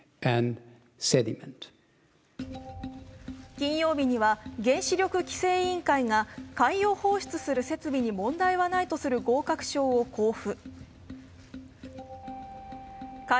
金曜日には原子力規制委員会が海洋放出する設備に問題はないとする合格証を交付。